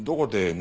何？